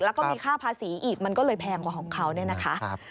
แล้วก็มีค่าภาษีอีกมันก็เลยแพงกว่าของเขาเนี่ยนะคะ